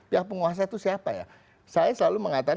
itu siapa ya saya selalu mengatakan